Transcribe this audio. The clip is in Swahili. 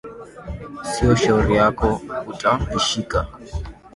Sio shauri yote uta ishika